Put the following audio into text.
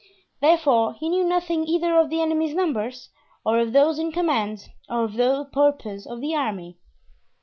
Therefore, he knew nothing either of the enemy's numbers, or of those in command, or of the purpose of the army.